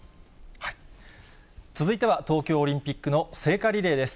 続いては東京オリンピックの聖火リレーです。